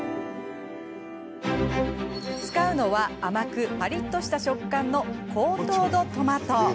使うのは甘くパリッとした食感の高糖度トマト。